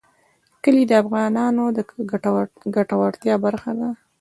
کلي د افغانانو د ګټورتیا برخه ده.